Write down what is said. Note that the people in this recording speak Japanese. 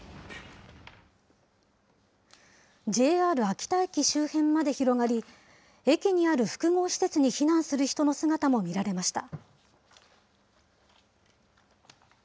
ＪＲ秋田駅周辺まで広がり、駅にある複合施設に避難する人の姿も見られました。